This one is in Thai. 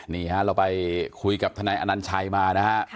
นี่ฮะเราไปคุยกับทนายอนัญชัยมานะฮะ